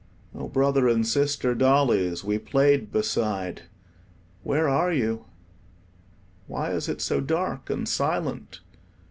Oh, brother and sister dollies we played beside, where are you? Why is it so dark and silent?